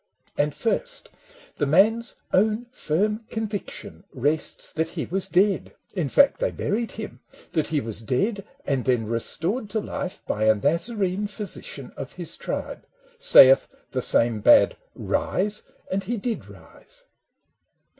And first — the man's own firm conviction rests That he was dead (in fact they buried him) — That he was dead and then restored to life By a Nazarene physician of his tribe :— 'Sayeth, the same bade " Rise," and he did rise.